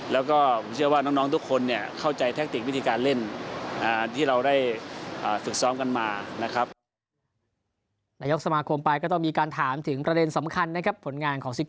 แล้วก็เชื่อว่าน้องทุกคนเนี่ยเข้าใจแท็กติกวิธีการเล่น